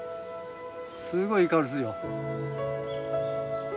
すごいいい香りするよ。